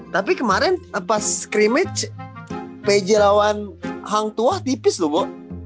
tapi kemarin pas scrimmage pj lawan hang tuah tipis loh bu